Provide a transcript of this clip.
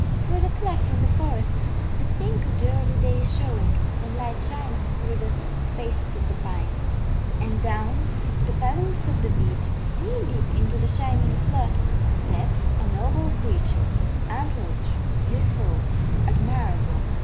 Through the cleft in the forest the pink of the early day is showing, and light shines through the spaces of the pines. And down the pebbles of the beach, knee deep into the shining flood, steps a noble creature, antlered, beautiful, admirable.